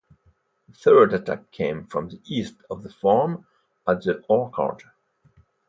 The third attack came from the east of the farm, at the orchard.